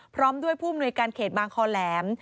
พร้อมด้วยผู้มนุยการเขตบางคอแหลม